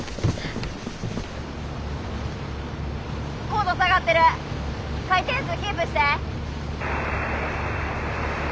高度下がってる回転数キープして。